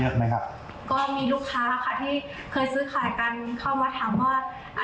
มีคนโทรมาตอบถามที่ร้านเยอะไหมครับก็มีลูกค้าค่ะที่เคยซื้อข่ายกันเข้ามาถามว่า